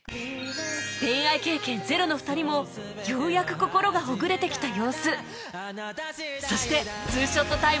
恋愛経験ゼロの２人もようやく心がほぐれてきた様子